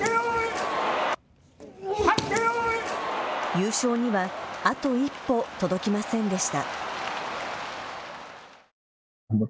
優勝にはあと一歩、届きませんでした。